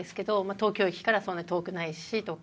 東京駅からそんなに遠くないしとか。